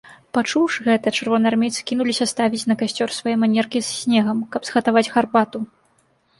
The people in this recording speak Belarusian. Пачуўшы гэта, чырвонаармейцы кінуліся ставіць на касцёр свае манеркі з снегам, каб згатаваць гарбату.